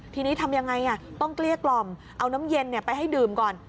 ทีนี้ทำยังไงต้องเกลี้ยกล่อมเอาน้ำเย็นไปให้ดื่มก่อน